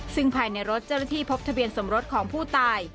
ซึ่งภายในรถเจ้าหน้าที่พบทะเบียนสมรสของผู้ตาย